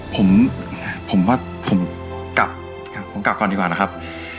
อ๋อผมผมว่าผมกลับก่อนดีกว่านะครับ